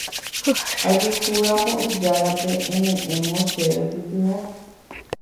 Ajuhúramo ijárape eme'ẽmo chéve pytyvõ.